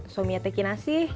suaminya tekin nasi